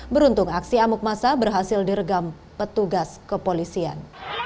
beruntung aksi amuk masa berhasil diregam petugas kepolisian